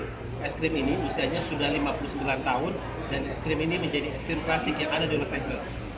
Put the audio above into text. es krim ini usianya sudah lima puluh sembilan tahun dan es krim ini menjadi es krim klasik yang ada di universitas